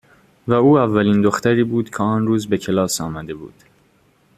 و او اولین دختری بود که آن روز به کلاس آمده بود.